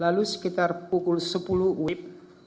lalu sekitar pukul sepuluh wib